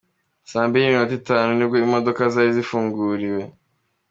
Saa mbiri n’iminota itanu nibwo imodoka zari zifunguriwe.